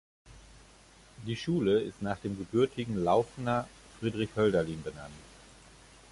Die Schule ist nach dem gebürtigen Lauffener Friedrich Hölderlin benannt.